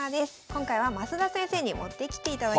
今回は増田先生に持ってきていただきました。